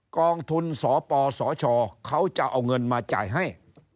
กองทุนสปสชเขาจะเอาเงินมาจ่ายให้